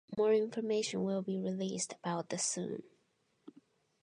More information will be released about that soon.